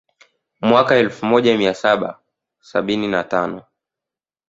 Mwaka wa elfu moja mia saba sabini na tano